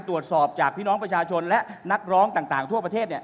ตรวจสอบจากพี่น้องประชาชนและนักร้องต่างทั่วประเทศ